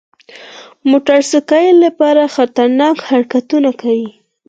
موټر سایکل سپاره خطرناک حرکتونه کوي.